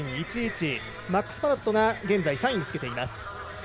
マックス・パロットが現在３位につけています。